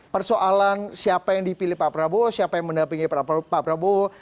persoalan siapa yang dipilih pak prabowo siapa yang mendampingi pak prabowo